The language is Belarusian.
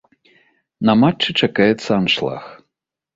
На матчы чакаецца аншлаг.